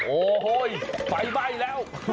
โอ้โฮไฟไบแล้ว